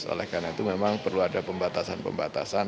oleh karena itu memang perlu ada pembatasan pembatasan